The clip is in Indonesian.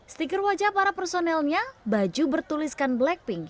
stiker wajah para personelnya baju bertuliskan blackpink